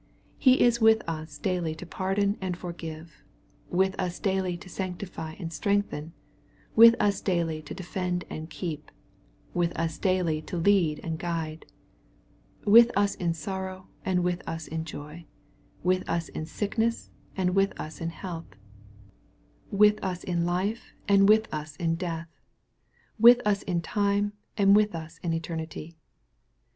He is with us daily to pardon and for give,— with us daily to sanctify and strengthen, — ^with us daily to defend and keep, — with us daily to lead and to guide,— with us in sorrow, and with us in joy,— with us in sickness, and with us in health, — ^with us in life, and with us in death, — with us in time, and with us in eternity.